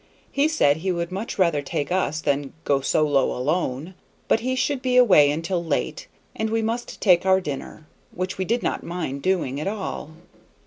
He said he would much rather take us than "go sole alone," but he should be away until late and we must take our dinner, which we did not mind doing at all.